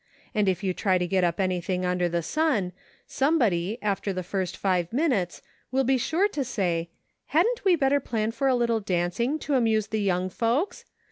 And if you try to get up anything under the sun, somebody, after the first five minutes, will be sure to say, ' Hadn't we better plan for a little dancing to amuse the young folks.?'